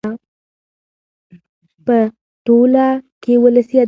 .په ټوله کې ولسي ادبيات